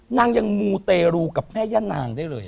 นางยังมูเตรูกับแม่ย่านางได้เลย